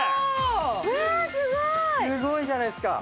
すごいじゃないですか。